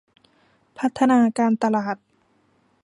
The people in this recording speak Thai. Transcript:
พัฒนาการตลาด